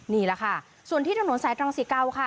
นี่แหละค่ะส่วนที่ถนนสายตรังสิเกาค่ะ